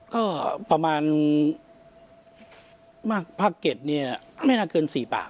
ก็ประมาณมากภาค๗เนี่ยไม่น่าเกิน๔ปาก